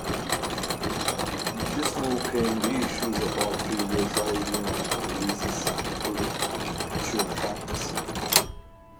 With this move came re-issues of all previous Ayreon releases, including "Actual Fantasy".